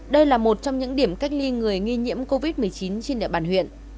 đây là một trong những điểm cách ly người nghi nhiễm covid một mươi chín trên địa bàn huyện